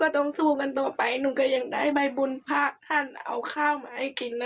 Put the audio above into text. ต้องสู้กันต่อไปหนูก็ยังได้ใบบุญพระท่านเอาข้าวมาให้กินนะ